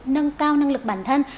nâng cao năng lực bản thân